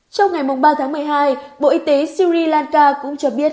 trong ngày ba tháng một mươi hai bộ y tế syri lanka cũng cho biết